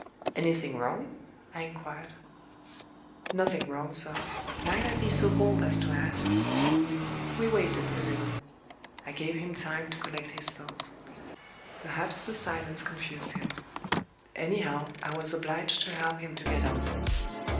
"Anything wrong?" I inquired. "Nothing wrong, sir. Might I be so bold as to ask " We waited a little; I gave him time to collect his thoughts. Perhaps the silence confused him. Anyhow, I was obliged to help him to get on.